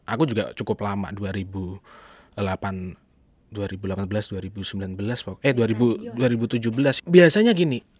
aku juga cukup lama dua ribu delapan dua ribu delapan belas dua ribu sembilan belas ya